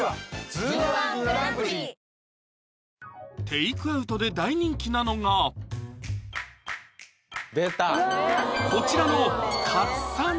テイクアウトで大人気なのがこちらのカツサンド